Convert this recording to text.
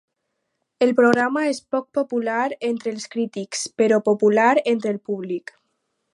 El programa és poc popular entre els crítics però popular entre el públic.